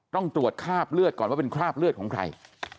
ต้องตรวจคราบเลือดก่อนว่าเป็นคราบเลือดของใคร